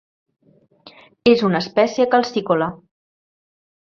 És una espècie calcícola.